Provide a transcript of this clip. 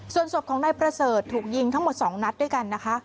ส่วนศพของนายประเสริฐถูกยิงทั้งหมด๒นัดด้วยกันนะคะ